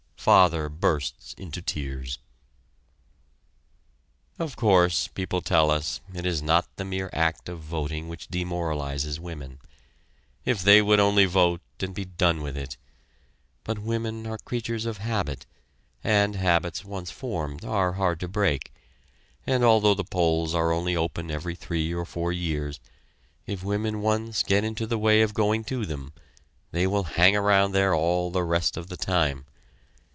Father bursts into tears. Of course, people tell us, it is not the mere act of voting which demoralizes women if they would only vote and be done with it; but women are creatures of habit, and habits once formed are hard to break; and although the polls are only open every three or four years, if women once get into the way of going to them, they will hang around there all the rest of the time.